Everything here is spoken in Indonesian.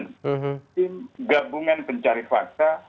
tim gabungan pencari fakta